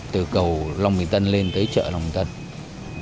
từ cầu long bình tân lên tới chợ long tân